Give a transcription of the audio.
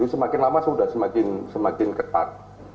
semakin lama sudah semakin ketat